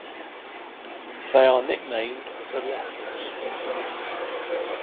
They are nicknamed "The Leopards".